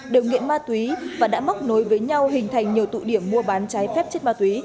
đều nghiện ma túy và đã móc nối với nhau hình thành nhiều tụ điểm mua bán trái phép chất ma túy